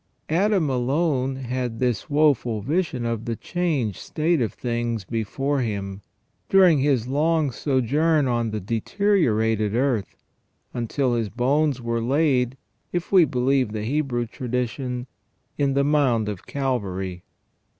Adam alone had this woeful vision of the changed state of things before him, during his long sojourn on the deteriorated earth, until his bones were laid, if we believe the Hebrew tradition, in the mound of Calvary.